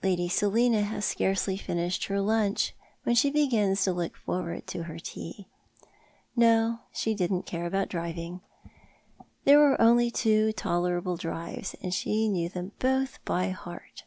Lady Selina has scarcely finished her lunch when she begins to look forward to her tea. No, she didn't care about driving. There were only two tolerable drives, and she knew them both by heart.